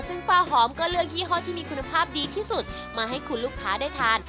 ซึ่งป้าหอมก็เลือกยี่ห้อที่มีคุณภาพดีที่สุดมาให้คุณลูกค้าได้ทาน